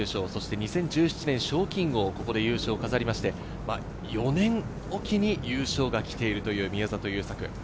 ２０１１年、賞金王、ここで優勝を飾りまして、４年おきに優勝が来ているという宮里優作。